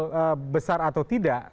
soal besar atau tidak